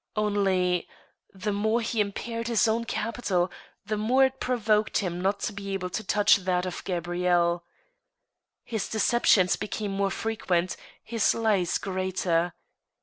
.Only, the more he impaired his own capital, the more it provoked him not to be able to touch that of Gabrieile. His deceptions be came more frequent, his lies greater.